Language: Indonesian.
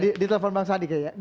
di telepon bang sandi kayaknya